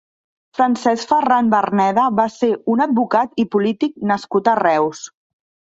Francesc Ferran Verneda va ser un advocat i polític nascut a Reus.